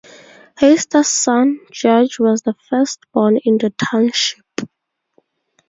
Heister's son, George, was the first born in the Township.